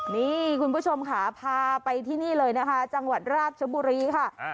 นี่คุณผู้ชมค่ะพาไปที่นี่เลยนะคะจังหวัดราชบุรีค่ะ